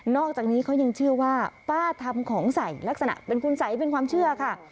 อกจากนี้เขายังเชื่อว่าป้าทำของใส่ลักษณะเป็นคุณสัยเป็นความเชื่อค่ะ